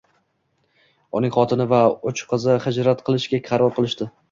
Uning xotini va uch qizi hijrat qilishga qaror kilishdi